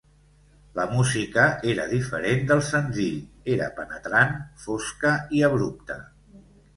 La música era diferent del senzill; era penetrant, fosca i abrupta.